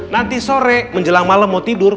nanti sore menjelang malam mau tidur